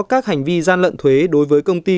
các hành vi gian lận thuế đối với công ty